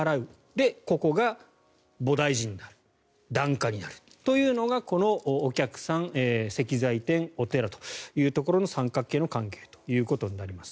で、ここが菩提寺になる檀家になるというのがこのお客さん、石材店お寺というところの三角形の関係ということになります。